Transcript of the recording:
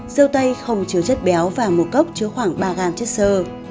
râu tây không chứa chất béo và một cốc chứa khoảng ba gram chất sơ